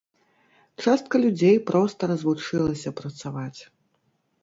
Частка людзей проста развучылася працаваць.